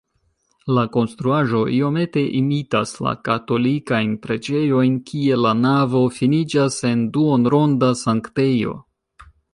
La konstruaĵo iomete imitas la katolikajn preĝejojn, kie la navo finiĝas en duonronda sanktejo.